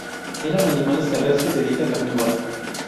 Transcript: Eran animales terrestres de dieta carnívora.